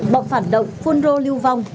bộ phản động phunro lưu vong